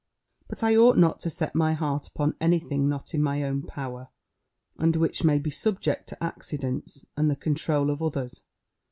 But I ought not to set my heart upon any thing not in my own power, and which may be subject to accidents, and the control of others.